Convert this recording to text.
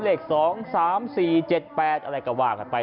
เลขสองสามสี่เจ็ดแปดอะไรก็ว่ากันไป